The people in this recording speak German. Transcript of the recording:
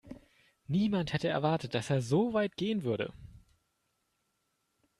Niemand hätte erwartet, dass er so weit gehen würde.